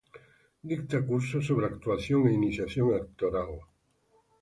Dicta cursos sobre Actuación e Iniciación Actoral.